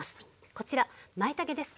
こちらまいたけです。